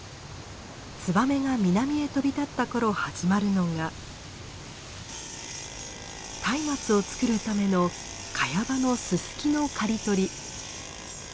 ツバメが南へ飛び立った頃始まるのが松明をつくるためのカヤ場のススキの刈り取り。